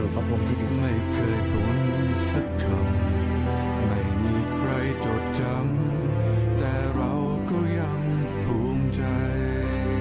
ขอบคุณครับครั้งหนึ่งที่เคยได้ช่วยชีวิตพวกผม๕๓คนใหม่